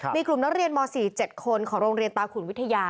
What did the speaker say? มีกลุ่มนักเรียนม๔๗คนของโรงเรียนตาขุนวิทยา